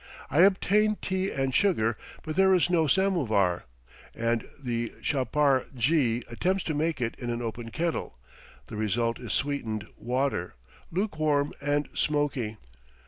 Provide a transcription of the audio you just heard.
I obtain tea and sugar, but there is no samovar, and the chapar jee attempts to make it in an open kettle; the result is sweetened water, lukewarm and smoky.